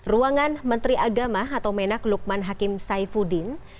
ruangan menteri agama atau menak lukman hakim saifuddin